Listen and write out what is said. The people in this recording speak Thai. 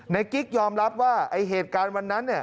ในกิ๊กยอมรับว่าไอ้เหตุการณ์วันนั้น